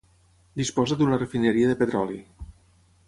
Disposa d'una refineria de petroli.